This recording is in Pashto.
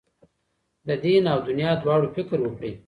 د دین او دنیا دواړو فکر وکړئ.